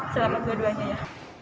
selamat berduanya ya